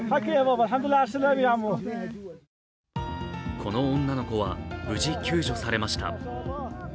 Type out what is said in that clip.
この女の子は無事、救助されました。